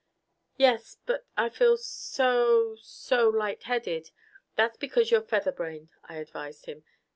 "Yes. But I feel so so lightheaded " "That's because you're featherbrained," I advised him.